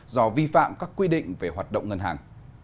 do vi phạm các quy định về hoạt động ngân hàng